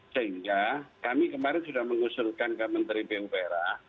sehingga kami kemarin sudah mengusulkan ke menteri pupera